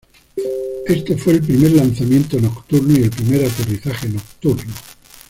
Este fue el primer lanzamiento nocturno y el primer aterrizaje nocturno.